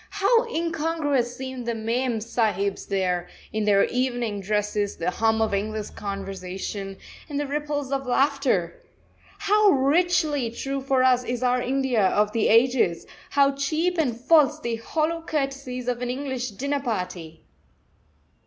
How incongruous seemed the mem sahibs there, in their evening dresses, the hum of English conversation, and the ripples of laughter! How richly true for us is our India of the ages; how cheap and false the hollow courtesies of an English dinner party!